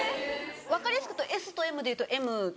分かりやすく言うとＳとＭで言うとＭ。